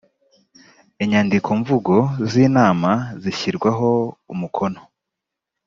inyandikomvugo z inama zishyirwaho umukono